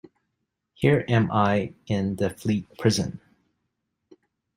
Here am I in the Fleet Prison.